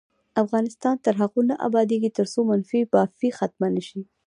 افغانستان تر هغو نه ابادیږي، ترڅو منفي بافي ختمه نشي.